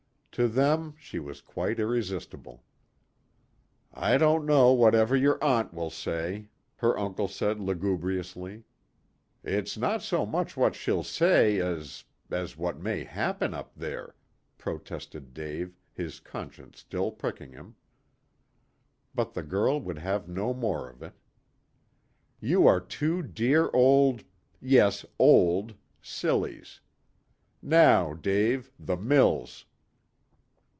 To them she was quite irresistible. "I don't know whatever your aunt will say," her uncle said lugubriously. "It's not so much what she'll say as as what may happen up there," protested Dave, his conscience still pricking him. But the girl would have no more of it. "You are two dear old yes, 'old' sillies. Now, Dave, the mills!"